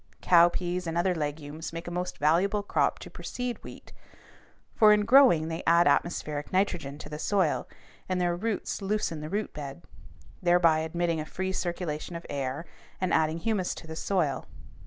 Cowpeas and other legumes make a most valuable crop to precede wheat, for in growing they add atmospheric nitrogen to the soil, and their roots loosen the root bed, thereby admitting a free circulation of air and adding humus to the soil.